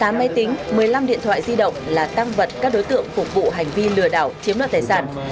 tám máy tính một mươi năm điện thoại di động là tăng vật các đối tượng phục vụ hành vi lừa đảo chiếm đoạt tài sản